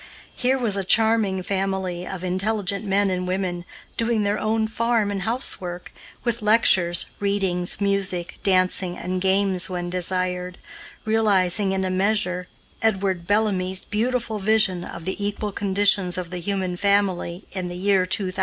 Here was a charming family of intelligent men and women, doing their own farm and house work, with lectures, readings, music, dancing, and games when desired; realizing, in a measure, Edward Bellamy's beautiful vision of the equal conditions of the human family in the year 2000.